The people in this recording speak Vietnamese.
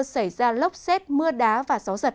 xảy ra lốc xét mưa đá và gió giật